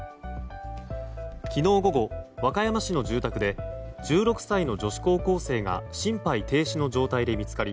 昨日午後、和歌山市の住宅で１６歳の女子高校生が心肺停止の状態で見つかり